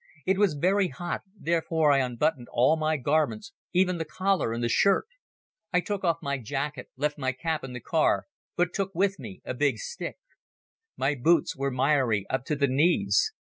It was very hot, therefore I unbuttoned all my garments even the collar and the shirt. I took off my jacket, left my cap in the car but took with me a big stick. My boots were miry up to the knees.